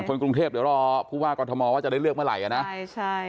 คนกรุงเทพเดี๋ยวรอผู้ว่ากรทมว่าจะได้เลือกเมื่อไหร่